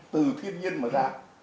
từ thiên nhiên mà ra